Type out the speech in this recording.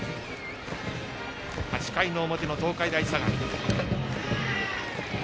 ８回の表の東海大相模。